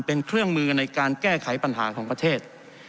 เป็นเครื่องมือในการแก้ไขปัญหาของประเทศ